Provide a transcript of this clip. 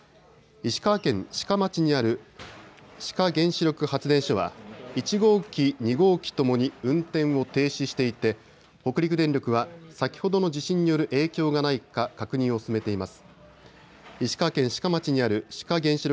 石川県志賀町にある志賀原子力発電所は１号機２号機ともに運転を停止していて北陸電力は先ほどの地震による影響がないか確認を進めています。